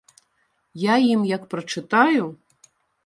Я ім як прачытаю!